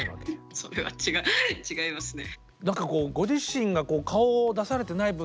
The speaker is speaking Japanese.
それは違いますね。